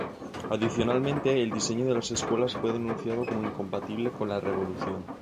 Adicionalmente, el diseño de las escuelas fue denunciado como incompatible con la Revolución.